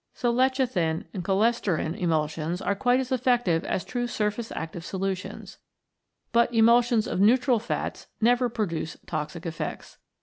So lecithin or cholesterin emulsions are quite as effective as true surface active solu tions. But emulsions of neutral fats never produce toxic effects.